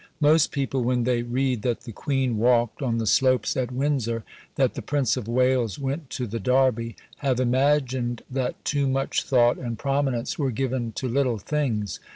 Most people when they read that the Queen walked on the slopes at Windsor that the Prince of Wales went to the Derby have imagined that too much thought and prominence were given to little things.